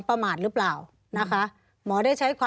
มีความรู้สึกว่ามีความรู้สึกว่า